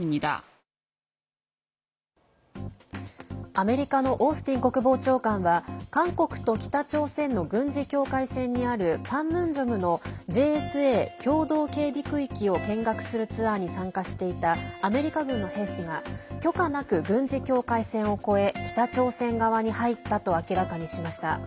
アメリカのオースティン国防長官は韓国と北朝鮮の軍事境界線にあるパンムンジョムのＪＳＡ＝共同警備区域を見学するツアーに参加していたアメリカ軍の兵士が許可なく軍事境界線を越え北朝鮮側に入ったと明らかにしました。